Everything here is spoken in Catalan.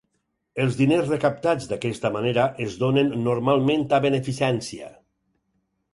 Els diners recaptats d'aquesta manera es donen normalment a beneficència.